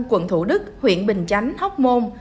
quận thủ đức huyện bình chánh hóc môn